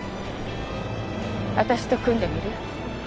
私と組んでみる？